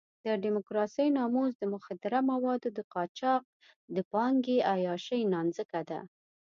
د ډیموکراسۍ ناموس د مخدره موادو د قاچاق د پانګې عیاشۍ نانځکه ده.